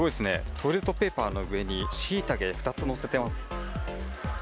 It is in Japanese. トイレットペーパーの上にしいたけ２つ載せてます。